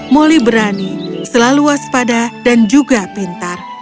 moli berani selalu waspada dan juga pintar